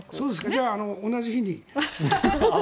じゃあ同じ日に。